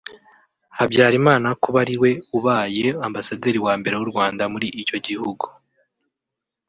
Habyalimana kuba ari we ubaye Ambasaderi wa mbere w’u Rwanda muri icyo gihugu